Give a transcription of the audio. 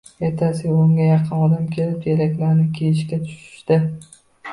Ertasiga o‘nga yaqin odam kelib, teraklarni kesishga tushishdi